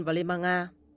và liên bang nga